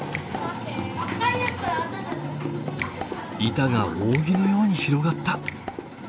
板が扇のように広がった。